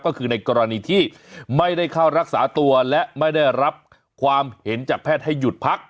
ก็คือในกรณีที่ไม่ได้เข้ารักษาตัวและไม่ได้รับความเห็นจากแพทย์ให้หยุดพัก